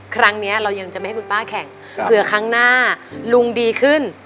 ครั้งนี้เรายังจะไม่ให้คุณป้าแข่งเผื่อครั้งหน้าลุงดีขึ้น